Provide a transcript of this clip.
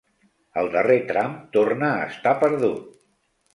El darrer tram torna a estar perdut.